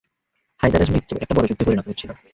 হায়দারের মৃত্যু একটা বড় যুদ্ধে পরিণত হচ্ছিল।